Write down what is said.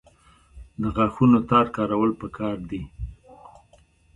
د غاښونو تار کارول پکار دي